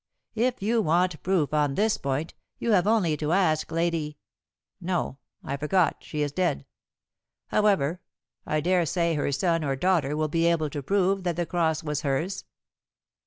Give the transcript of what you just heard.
If you want proof on this point, you have only to ask Lady no, I forgot, she is dead. However, I daresay her son or daughter will be able to prove that the cross was hers."